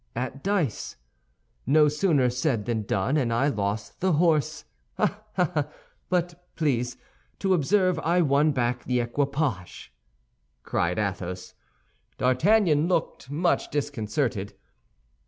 'At dice.' No sooner said than done, and I lost the horse. Ah, ah! But please to observe I won back the equipage," cried Athos. D'Artagnan looked much disconcerted.